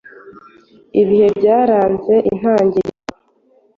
ibihe byaranze intangiriro,